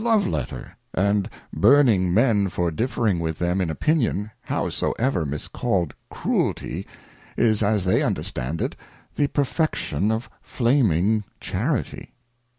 Love letter, and burning men for diffefuig with them in Opinion, howsoever miscalled Cruelty, is as tliey understand it, ihe perfection oi flaming Charity.